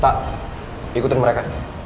tak ikutin mereka